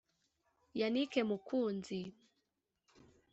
Yanick Mukunzi